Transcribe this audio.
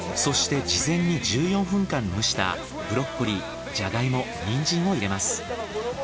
そして事前に１４分間蒸したブロッコリージャガイモニンジンを入れます。